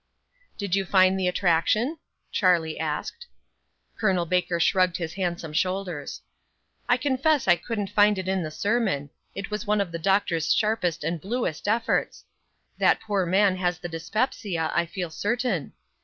"Did you find the attraction?" Charlie asked. Col. Baker shrugged his handsome shoulders. "I confess I couldn't find it in the sermon. It was one of the Doctor's sharpest and bluest efforts. That poor man has the dyspepsia, I feel certain.